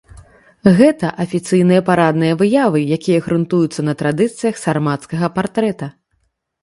Гэта афіцыйныя парадныя выявы, якія грунтуюцца на традыцыях сармацкага партрэта.